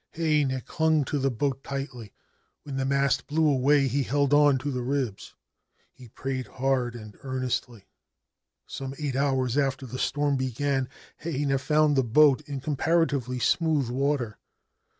Heinei clung to the boat tightly. When the mast blew away he held on to the ribs. He prayed hard and earnestly. Some eight hours after the storm began, Heinei found the boat in comparatively smooth water.